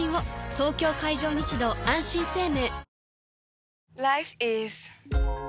東京海上日動あんしん生命